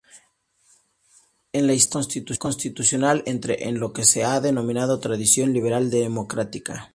En la historia constitucional entre en lo que se ha denominado tradición liberal democrática.